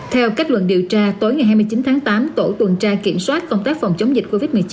theo kết luận điều tra tối ngày hai mươi chín tháng tám tổ tuần tra kiểm soát công tác phòng chống dịch covid một mươi chín